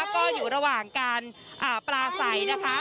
ก็อยู่ระหว่างการปลาใสนะคะ